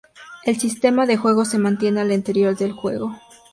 El sistema de juego se mantiene del anterior juego.